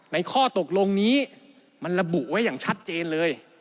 ข้อตกลงนี้มันระบุไว้อย่างชัดเจนเลย